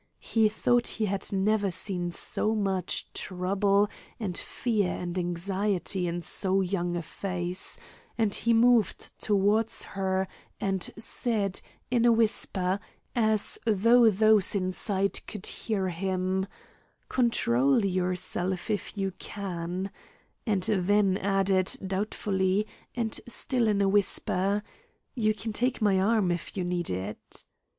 He thought he had never seen so much trouble and fear and anxiety in so young a face, and he moved towards her and said, in a whisper, as though those inside could hear him, "Control yourself if you can," and then added, doubtfully, and still in a whisper, "You can take my arm if you need it."